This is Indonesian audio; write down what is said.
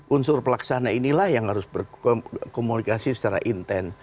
unsur pelaksana inilah yang harus berkomunikasi secara intent